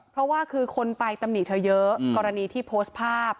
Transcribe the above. เพราะว่าคือคนไปตำหนิเธอเยอะกรณีที่โพสต์ภาพ